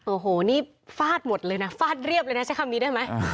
โอ้โหนี่ฟาดหมดเลยนะฟาดเรียบเลยนะใช้คำนี้ได้ไหม